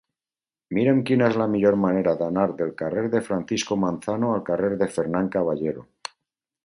Mira'm quina és la millor manera d'anar del carrer de Francisco Manzano al carrer de Fernán Caballero.